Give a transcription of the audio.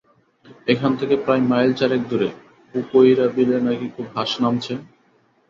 এখান থেকে প্রায় মাইল চারেক দূরে পুকইরা বিলে নাকি খুব হাঁস নামছে।